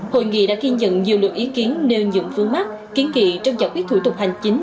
hội nghị đã ghi nhận nhiều lượng ý kiến nêu những phương mắc kiến kỵ trong giải quyết thủ tục hành chính